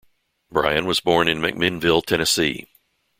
Bryan was born in McMinnville, Tennessee.